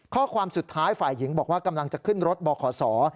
ข้อความสุดท้ายฝ่ายหญิงบอกว่ากำลังจะขึ้นรถบขศ